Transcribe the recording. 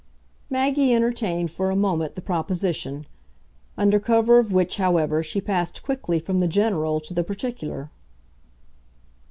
Maggie entertained for a moment the proposition; under cover of which, however, she passed quickly from the general to the particular.